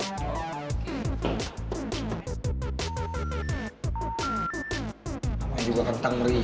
eh namanya juga ketang meriah